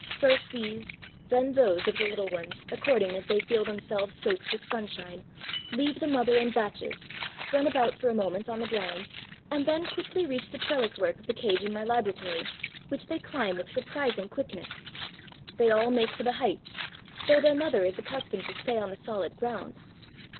First these, then those, of the little ones, according as they feel themselves soaked with sunshine, leave the mother in batches, run about for a moment on the ground, and then quickly reach the trellis work of the cage in my laboratory, which they climb with surprising quickness. They all make for the heights, though their mother is accustomed to stay on the solid ground.